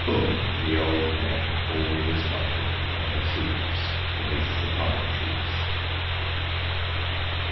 "Ugh!" the old men all responded, From their seats beneath the pine trees!